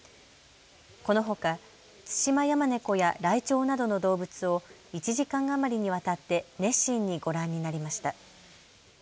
このほかツシマヤマネコやライチョウなどの動物を１時間余りにわたって熱心にご覧になりました。